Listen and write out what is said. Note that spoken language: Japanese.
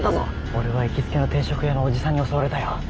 俺は行きつけの定食屋のおじさんに襲われたよ。